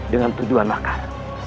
dengan tujuan makar